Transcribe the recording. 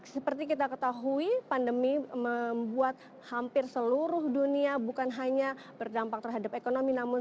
seperti kita ketahui pandemi membuat hampir seluruh dunia bukan hanya berdampak terhadap ekonomi namun